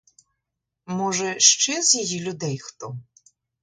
Може, ще з її людей хто.